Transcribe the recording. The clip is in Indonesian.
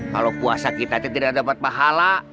kalo puasa kita tuh tidak dapat pahala